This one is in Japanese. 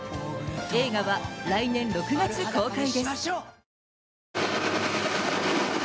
映画は来年６月公開です。